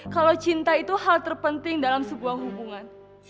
kalau cinta itu hal terpenting dalam sebuah hubungan